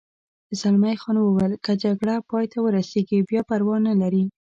زلمی خان وویل: که جګړه پای ته ورسېږي بیا پروا نه لري.